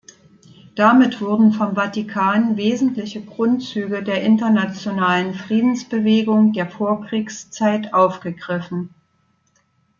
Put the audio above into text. Damit wurden vom Vatikan wesentliche Grundzüge der internationalen Friedensbewegung der Vorkriegszeit aufgegriffen.